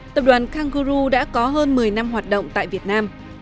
tập đoàn kanggu đã có hơn một mươi năm hoạt động tại việt nam